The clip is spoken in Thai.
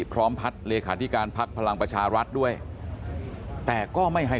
พร้อมพัฒน์เลขาธิการพักพลังประชารัฐด้วยแต่ก็ไม่ให้